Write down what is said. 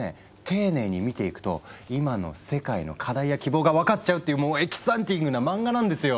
丁寧に見ていくと今の世界の課題や希望が分かっちゃうっていうもうエキサイティングな漫画なんですよ！